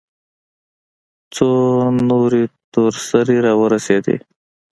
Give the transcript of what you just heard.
څو نورې تور سرې راورسېدې.